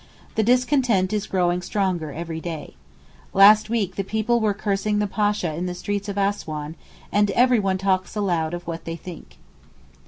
The discontent is growing stronger every day. Last week the people were cursing the Pasha in the streets of Assouan, and every one talks aloud of what they think.